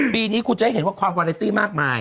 ปีนี้คุณจะให้เห็นว่าความวาเลซี่มากมาย